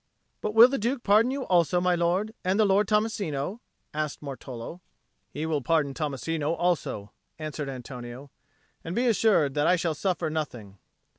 "But will the Duke pardon you also, my lord, and the Lord Tommasino?" asked Martolo. "He will pardon Tommasino also," answered Antonio. "And be assured that I shall suffer nothing."